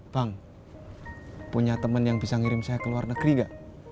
bang punya teman yang bisa ngirim saya ke luar negeri gak